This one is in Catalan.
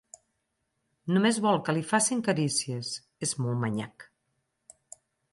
Només vol que li facin carícies: és molt manyac.